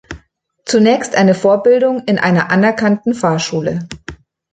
Zunächst eine Vorbildung in einer anerkannten Fahrschule.